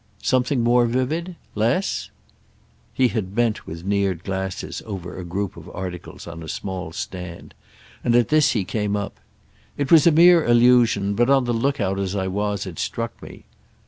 "Something more vivid? Less?" He had bent, with neared glasses, over a group of articles on a small stand; and at this he came up. "It was a mere allusion, but, on the lookout as I was, it struck me.